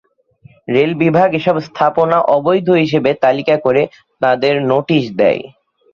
Rail বিভাগ এসব স্থাপনা অবৈধ হিসেবে তালিকা করে তাঁদের নোটিশ দেয়।